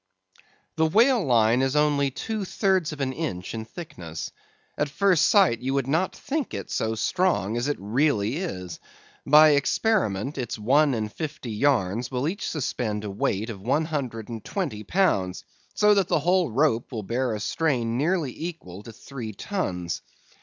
The whale line is only two thirds of an inch in thickness. At first sight, you would not think it so strong as it really is. By experiment its one and fifty yarns will each suspend a weight of one hundred and twenty pounds; so that the whole rope will bear a strain nearly equal to three tons.